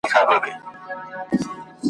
یک تنها د ګلو غېږ کي له خپل خیال سره زنګېږم `